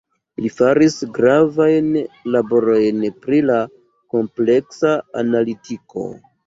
Li faris gravajn laborojn pri la kompleksa analitiko.